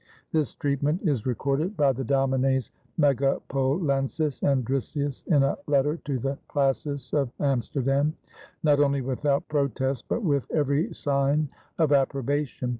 This treatment is recorded by the Domines Megapolensis and Drisius in a letter to the classis of Amsterdam, not only without protest but with every sign of approbation.